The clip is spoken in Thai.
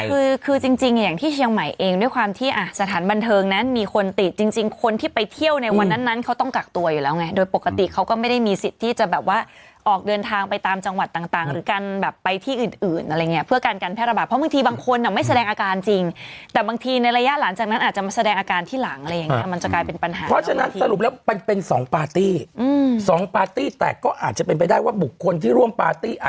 คือคือจริงจริงอย่างที่เชียงใหม่เองด้วยความที่อ่ะสถานบันเทิงนั้นมีคนติดจริงจริงคนที่ไปเที่ยวในวันนั้นเขาต้องกักตัวอยู่แล้วไงโดยปกติเขาก็ไม่ได้มีสิทธิ์ที่จะแบบว่าออกเดินทางไปตามจังหวัดต่างหรือการแบบไปที่อื่นอะไรเงี้ยเพื่อการการแพร่ระบาดเพราะบางทีบางคนอ่ะไม่แสดงอาการจริงแต่บางท